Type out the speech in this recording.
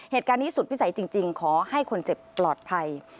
เหตุการณ์นี้สุดพิสัยจริงขอให้คนเจ็บปลอดภัย